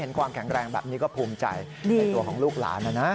ความแข็งแรงแบบนี้ก็ภูมิใจในตัวของลูกหลานนะนะ